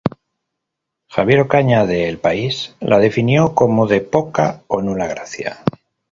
Javier Ocaña, de "El País", la definió como "de poca o nula gracia".